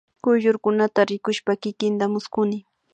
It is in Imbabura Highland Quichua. Kuyllurkunata rikushpa kikinta mushkuni